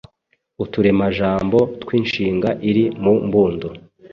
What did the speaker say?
Uturemajambo tw’inshinga iri mu mbundo